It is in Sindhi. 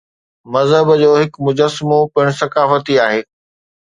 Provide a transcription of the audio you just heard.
مذهب جو هڪ مجسمو پڻ ثقافتي آهي.